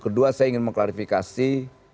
kedua saya ingin mengklarifikasi